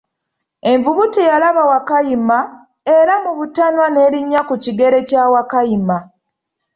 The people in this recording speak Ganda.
Envubu teyalaba Wakayima, era mubutanwa envubu n'erinnya ku kigere kya Wakayima.